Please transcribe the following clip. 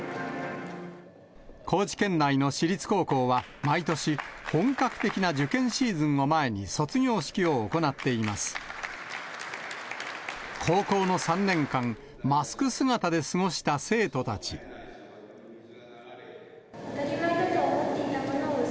高知県内のしりつ高校は毎年、本格的な受験シーズンを前に、卒業式を行っています。